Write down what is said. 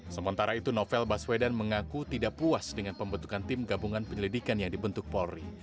sementara itu novel baswedan mengaku tidak puas dengan pembentukan tim gabungan penyelidikan yang dibentuk polri